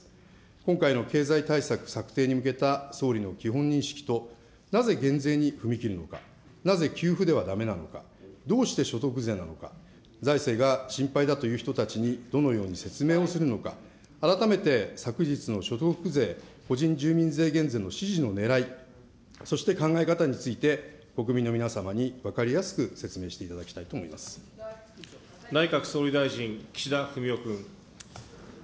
今回の経済対策策定に向けた総理の基本認識と、なぜ減税に踏み切るのか、なぜ給付ではだめなのか、どうして所得税なのか、財政が心配だという人たちに、どのように説明をするのか、改めて昨日の所得税、個人住民税減税の指示のねらい、そして考え方について国民の皆様に分かりやすく説明していただき内閣総理大臣、岸田文雄君。